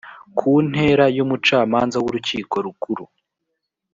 ku ntera y umucamanza w urukiko rukuru